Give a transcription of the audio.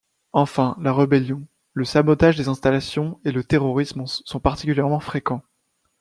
Enfin, la rébellion, le sabotage des installations et le terrorisme sont particulièrement fréquents.